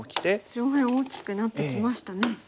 上辺大きくなってきましたね。